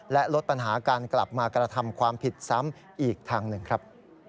และลดปัญหาการกลับมากระทำความผิดซ้ำอีกทางหนึ่งครับ